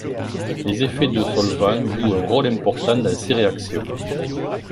Les effets de solvant joue un rôle important dans ces réactions.